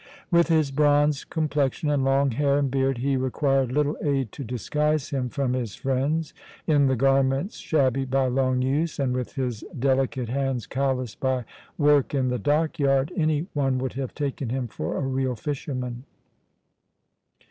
With his bronzed complexion and long hair and beard he required little aid to disguise him from his friends. In the garments shabby by long use, and with his delicate hands calloused by work in the dock yard, any one would have taken him for a real fisherman.